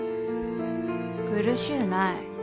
苦しうない。